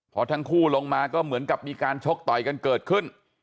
พอทั้งคู่ลงมาก็เหมือนกับมีการชกต่อยกันเกิดขึ้น